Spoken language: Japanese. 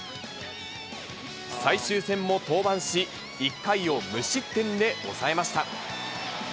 最終戦も登板し、１回を無失点で抑えました。